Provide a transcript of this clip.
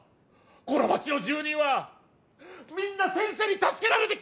この町の住民はみんな先生に助けられてきたんだよ！